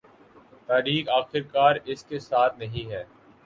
تاریخ آخرکار اس کے ساتھ نہیں ہے